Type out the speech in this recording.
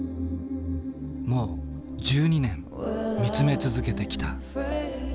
もう１２年見つめ続けてきた。